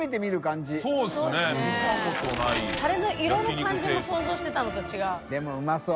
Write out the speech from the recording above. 味戞タレの色の感じも想像してたのと違う。